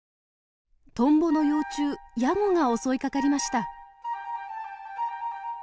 トンボの幼虫ヤゴが襲いかかりました。